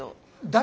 誰？